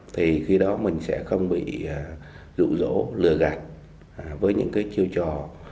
thì khi đó mình sẽ không bị rụ rỗ lừa gạch với những cái chiêu trò